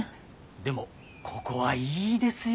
でもここはいいですよ。